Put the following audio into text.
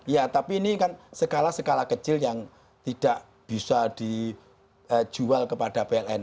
ya tapi ini kan skala skala kecil yang tidak bisa dijual kepada pln